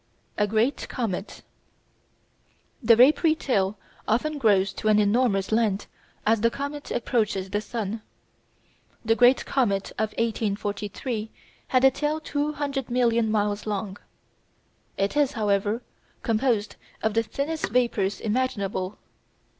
A Great Comet The vapoury tail often grows to an enormous length as the comet approaches the sun. The great comet of 1843 had a tail two hundred million miles long. It is, however, composed of the thinnest vapours imaginable.